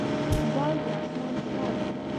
باز د اسمان شاه دی